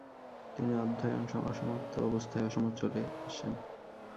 তিনি অধ্যয়ন অসমাপ্ত অবস্থায় অসম চলে আসেন।